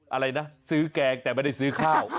อะไรนะซื้อแกงแต่ไม่ได้ซื้อข้าว